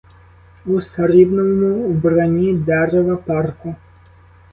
У срібному вбранні дерева парку.